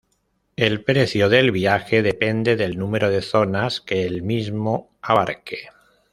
El precio del viaje depende del número de zonas que el mismo abarque.